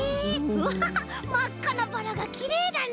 うわまっかなバラがきれいだね！